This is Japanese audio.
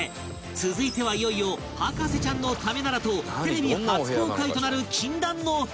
続いてはいよいよ博士ちゃんのためならとテレビ初公開となる禁断の部屋へ